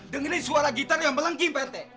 dengerin suara gitar yang melengki prt